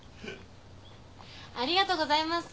ありがとうございます。